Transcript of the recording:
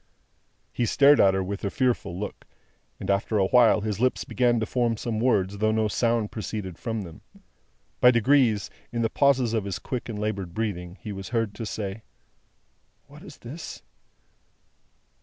He stared at her with a fearful look, and after a while his lips began to form some words, though no sound proceeded from them. By degrees, in the pauses of his quick and laboured breathing, he was heard to say: "What is this?"